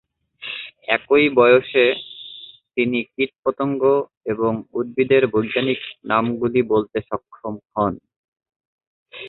একই বয়সে, তিনি কীটপতঙ্গ এবং উদ্ভিদের বৈজ্ঞানিক নামগুলি বলতে সক্ষম হন।